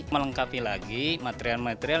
melengkapi lagi material material